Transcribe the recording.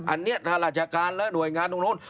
อันนี้ถ้าราชการและหน่วยงานตรงนู้น